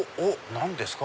何ですか？